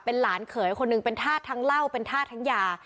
เป็นหลานเขินคนหนึ่งเป็นทาสทั้งเล่าเป็นทาสทั้งยา